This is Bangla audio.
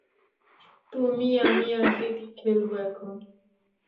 তুমি আমি আর দিদি খেলবো এখন?